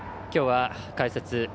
きょうは、解説